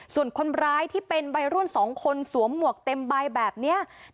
ส่วนคนร้ายที่เป็นวัยรุ่น๒คนสวมหมวกเต็มใบแบบนี้